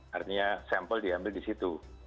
artinya sampel diambil di situ